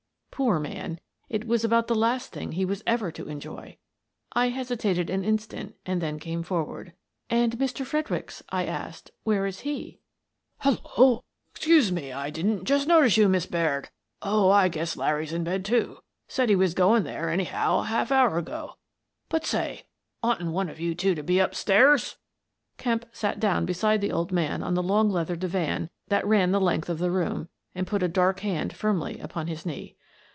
Poor man, it was about the last thing he was ever to enjoy! I hesitated an instant and then came for ward. " And Mr. Fredericks," I asked, " where is he? "" Dead for a Ducat " 45 Hello ! Excuse me; 1 didn't just notice you, Miss Baird. Oh, I guess Larry's in bed, too. Said he was going there, anyhow, a half an hour ago. But, say, oughtn't one of you two be up stairs? " Kemp sat down beside the old man on the long leather divan that ran the length of the room, and put a dark hand firmly upon his knee.